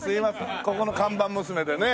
ここの看板娘でね。